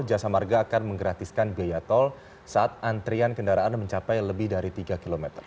jasa marga akan menggratiskan biaya tol saat antrian kendaraan mencapai lebih dari tiga km